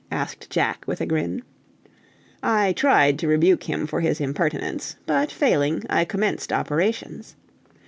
asked Jack, with a grin. I tried to rebuke him for his impertinence, but, failing, I commenced operations.